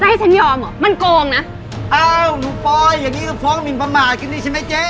ใจฉันยอมเหรอมันโกงน่ะเอ้าหนูปล่อยอย่างนี้คือฟ้องมิลประมาณกินดีใช่ไหมเจ๊